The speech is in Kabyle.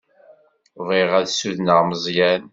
Bɣiɣ ad ssudneɣ Meẓyan.